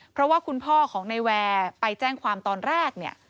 เพราะว่าคุณพ่อของในแวร์ไปแจ้งความตอนแรกเนี่ย